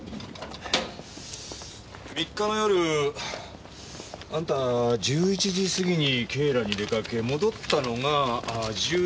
３日の夜あんたは１１時過ぎに警らに出かけ戻ったのが１１時５５分。